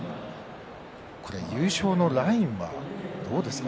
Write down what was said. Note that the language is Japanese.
優勝のラインはどうですか。